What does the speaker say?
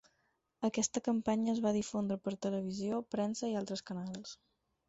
Aquesta campanya es va difondre per televisió, premsa i altres canals.